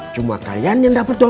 cuma kalian yang dapat dong